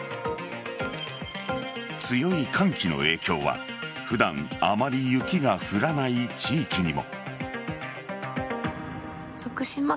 強い寒気の影響は普段あまり雪が降らない地域にも。